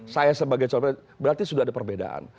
saya sebagai cowok presiden berarti sudah ada perbedaan